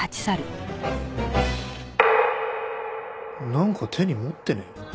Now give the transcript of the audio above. なんか手に持ってねえ？